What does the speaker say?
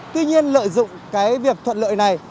tuy nhiên lợi dụng cái việc thuận lợi này